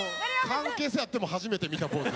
関係性あっても初めて見たポーズ。